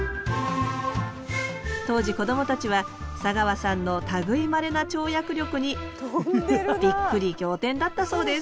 当時こどもたちは砂川さんの類いまれな跳躍力にびっくり仰天だったそうです